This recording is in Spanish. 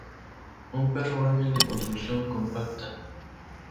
Un perro ágil de construcción compacta.